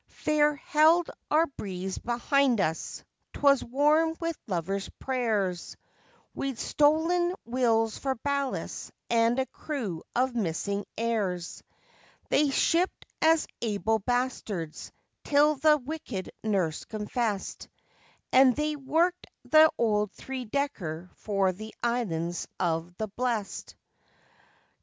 Fair held our breeze behind us 'twas warm with lovers' prayers: We'd stolen wills for ballast and a crew of missing heirs; They shipped as Able Bastards till the Wicked Nurse confessed, And they worked the old three decker to the Islands of the Blest.